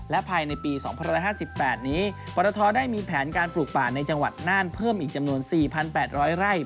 และภายในปี๒๕๘นี้ปรทได้มีแผนการปลูกป่าในจังหวัดน่านเพิ่มอีกจำนวน๔๘๐๐ไร่